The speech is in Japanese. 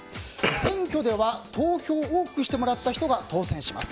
選挙では投票を多くしてもらった人が当選します。